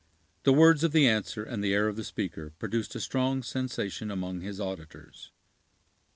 The words of the answer and the air of the speaker produced a strong sensation among his auditors.